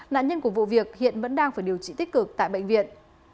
nạn nhân của vụ việc hiện vẫn đang phải điều trị tích cực tại bệnh viện